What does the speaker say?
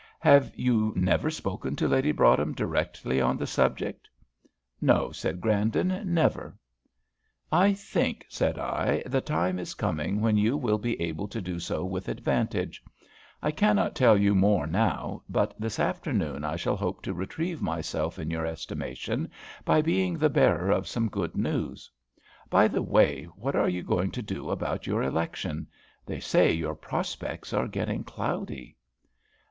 Have you never spoken to Lady Broadhem directly on the subject?" "No," said Grandon "never." "I think," said I, "the time is coming when you will be able to do so with advantage. I cannot tell you more now, but this afternoon I shall hope to retrieve myself in your estimation by being the bearer of some good news. By the way, what are you going to do about your election? they say your prospects are getting cloudy."